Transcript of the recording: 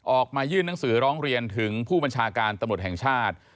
ออกมายื่นหนังสือร้องเรียนถึงผู้บัญชาการตำรวจแห่งชาติ